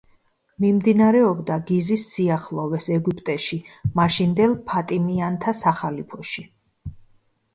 მიმდინარეობდა გიზის სიახლოვეს, ეგვიპტეში, მაშინდელ ფატიმიანთა სახალიფოში.